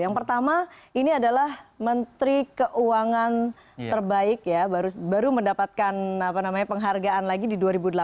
yang pertama ini adalah menteri keuangan terbaik ya baru mendapatkan penghargaan lagi di dua ribu delapan belas